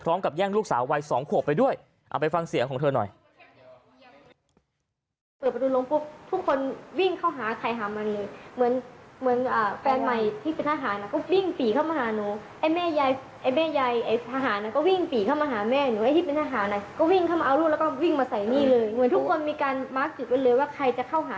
แย่งลูกสาววัย๒ขวบไปด้วยเอาไปฟังเสียงของเธอหน่อย